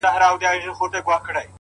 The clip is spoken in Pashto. ناځوانه ښه ښېرا قلندري کړې ده;